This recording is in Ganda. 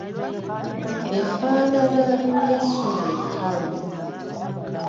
Efaanaana ng’essubi ekkalu.